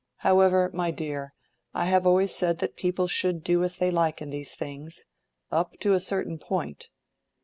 However, my dear, I have always said that people should do as they like in these things, up to a certain point.